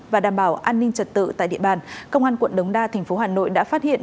và đảm bảo an ninh trật tự tại địa bàn công an quận đống đa tp hcm đã phát hiện